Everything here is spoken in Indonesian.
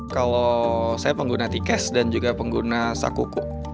kalau saya pengguna tikes dan juga pengguna saku kukus saya menggunakan tikes